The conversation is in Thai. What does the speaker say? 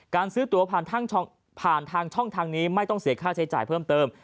ซื้อตัวผ่านทางช่องทางนี้ไม่ต้องเสียค่าใช้จ่ายเพิ่มเติม